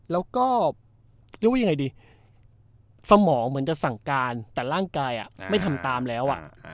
แล้วก็เรียกว่ายังไงดีสมองเหมือนจะสั่งการแต่ร่างกายไม่ทำตามแล้ว